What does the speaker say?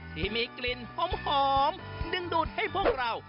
ที่มีกลิ่นหอมดึงดูดให้พวกเรา